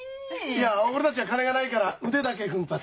いや俺たちは金がないから腕だけ奮発。